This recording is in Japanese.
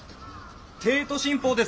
帝都新報です。